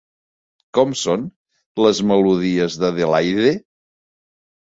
Com són les melodies d'Adelaide?